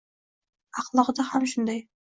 Ahloqda ham shunday